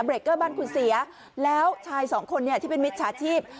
เบรกเกอร์บ้านคุณเสียแล้วชายสองคนที่เป็นมิตรชาชีพ